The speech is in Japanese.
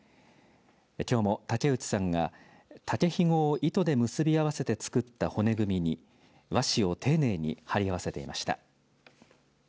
きょうも竹内さんが竹ひごを糸で結び合わせて作った骨組みに和紙を丁寧に貼り合わせていました。